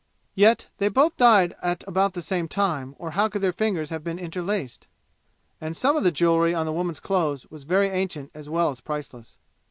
Yet, they both died at about the same time, or how could their fingers have been interlaced? And some of the jewelry on the woman's clothes was very ancient as well as priceless.